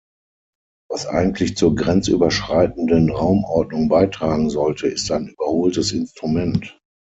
Was eigentlich zur grenzüberschreitenden Raumordnung beitragen sollte, ist ein überholtes Instrument.